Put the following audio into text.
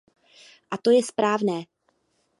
A to je správné.